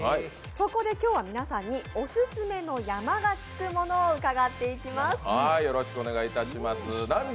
そこで今日は皆さんにオススメの山がつくものを伺っていきます。